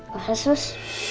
gak apa apa sus